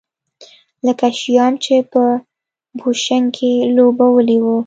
لکه شیام چې په بوشونګ کې لوبولی و.